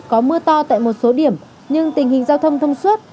có mưa to tại một số điểm nhưng tình hình giao thông thông suốt